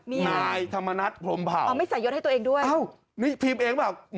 มีอะไรอ๋อไม่ใส่ยดให้ตัวเองด้วยนี่พิมพ์เองบ่อย